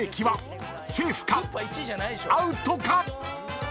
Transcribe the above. アウトか⁉］